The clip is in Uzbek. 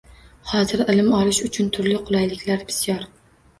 Hozir ilm olish uchun turli qulayliklar bisyor: